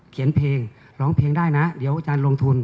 เขียนเพลงร้องเพลงได้นะเดี๋ยวอาจารย์ลงทุน